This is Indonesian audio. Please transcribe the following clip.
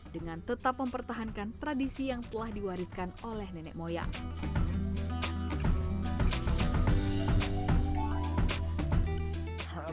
dengan tetap mempertahankan tradisi yang telah diwariskan oleh nenek moyang